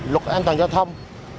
luật an toàn giao thông